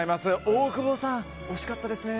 大久保さん、惜しかったですね。